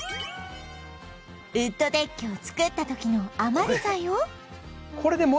ウッドデッキを作った時のあまり材を